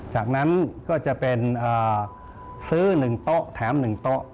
จากนั้นก็จะเป็นซื้อ๑โต๊ะแถม๑โต๊ะ